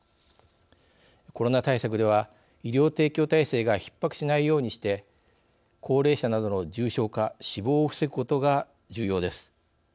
コロナ対策では医療提供体制がひっ迫しないようにして高齢者などの重症化死亡を防ぐことが重要です。